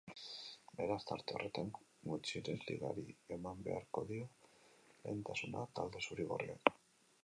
Beraz, tarte horretan gutxienez ligari eman beharko dio lehentasuna talde zuri-gorriak.